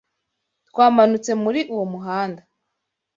Twamanutse muri uwo muhanda